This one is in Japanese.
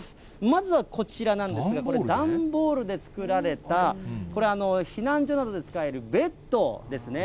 まずはこちらなんですが、これ、段ボールで作られた、これ、避難所などで使えるベッドですね。